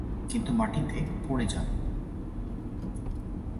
কিন্তু মাটিতে পড়ে যান।